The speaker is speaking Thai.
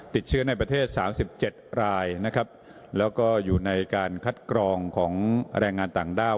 ติดเชื้อในประเทศ๓๗รายนะครับแล้วก็อยู่ในการคัดกรองของแรงงานต่างด้าว